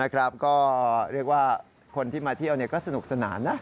ก็เรียกว่าคนที่มาเที่ยวก็สนุกสนานนะ